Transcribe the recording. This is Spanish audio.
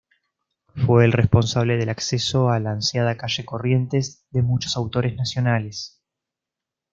Fue el responsable del acceso a la ansiada calle Corrientes de muchos autores nacionales.